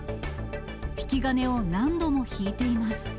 引き金を何度も引いています。